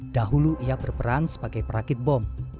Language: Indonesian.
dahulu ia berperan sebagai perakit bom